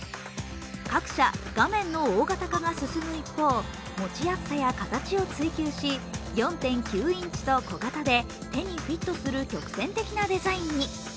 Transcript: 各社、画面の大型化が進む一方、持ちやすさや形を追求し４．９インチと小型で手にフィットする曲線的なデザインに。